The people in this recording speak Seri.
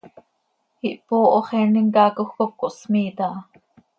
Ihpooho x, eenim caacoj cop cohsmiiit aha.